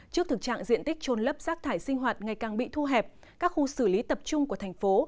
trước thực trạng diện tích trôn lấp rác thải sinh hoạt ngày càng bị thu hẹp các khu xử lý tập trung của thành phố